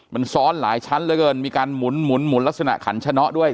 มันซ้อนหลายชั้นเหลือเกินมีการหมุนลักษณะขันชะเนาะด้วย